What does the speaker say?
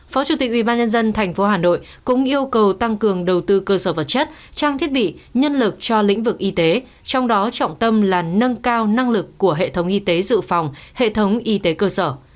phó chủ tịch ubnd tp hà nội cũng yêu cầu tăng cường đầu tư cơ sở vật chất trang thiết bị nhân lực cho lĩnh vực y tế trong đó trọng tâm là nâng cao năng lực của hệ thống y tế dự phòng hệ thống y tế cơ sở